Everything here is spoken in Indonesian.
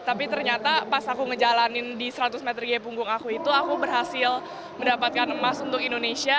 tapi ternyata pas aku ngejalanin di seratus meter gaya punggung aku itu aku berhasil mendapatkan emas untuk indonesia